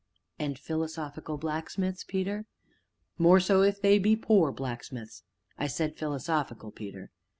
'" "And philosophical blacksmiths, Peter?" "More so if they be poor blacksmiths." "I said 'philosophical,' Peter."